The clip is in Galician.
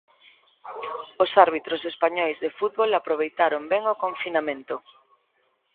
Os árbitros españois de fútbol aproveitaron ben o confinamento.